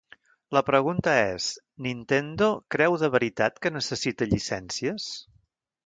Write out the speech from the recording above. La pregunta és: Nintendo creu de veritat que necessita llicències?